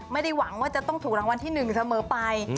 ไม่ได้หวังว่าจะต้องถูกรางวัลที่๑เสมอไป